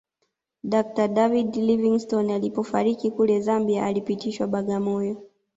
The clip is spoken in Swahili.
Daktari David Livingstone alipofariki kule Zambia alipitishwa Bagamoyo